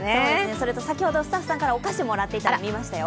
それと先ほどスタッフさんからお菓子をもらっていたのを見ましたよ。